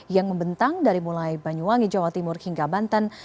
yang membentang dari mulai banyuwangi jawa timur hingga banten